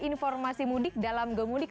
informasi mudik dalam gomudik